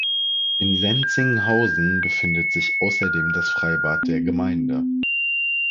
In Lenzinghausen befindet sich außerdem das Freibad der Gemeinde.